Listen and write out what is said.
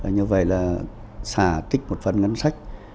như vậy là xả tích một phần ngân sách